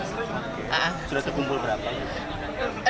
sudah terkumpul berapa